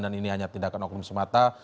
dan ini hanya tindakan oknum semata